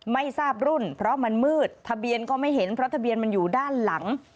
ไม่ทราบรุ่นเพราะมันมืดทะเบียนก็ไม่เห็นเพราะทะเบียนมันอยู่ด้านหลัง